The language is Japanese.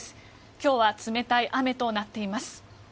今日は冷たい雨となっています。